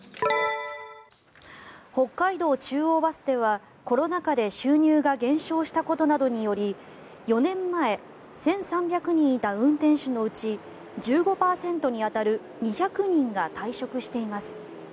北海道中央バスではコロナ禍で収入が減少したことなどにより４年前１３００人いた運転手のうち１５％に当たる２００人が退職しています。